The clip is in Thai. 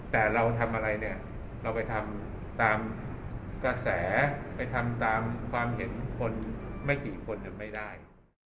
แต่เราทำอะไรเนี่ยเราไปทำตามกระแสไปทำตามความเห็นคนไม่กี่คนไม่ได้